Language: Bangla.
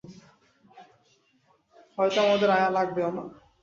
হয়তো আমাদের আয়া লাগবেও না!